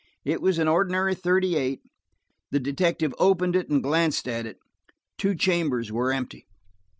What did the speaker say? It was an ordinary thirty eight. The detective opened it and glanced at it. Two chambers were empty.